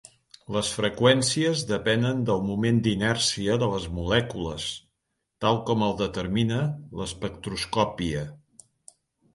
Les freqüències depenen del moment d'inèrcia de les molècules, tal com el determina l'espectroscòpia.